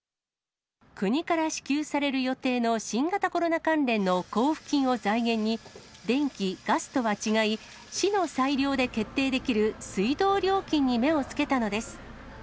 国から支給される予定の新型コロナ関連の交付金を財源に、電気・ガスとは違い、市の裁量で決定できる水道料金に目をつけたのです。